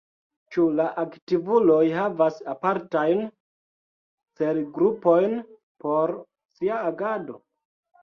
Ĉu la aktivuloj havas apartajn celgrupojn por sia agado?